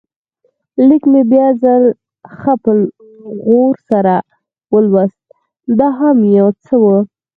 لیک مې بیا ځل ښه په غور سره ولوست، دا هم یو څه و.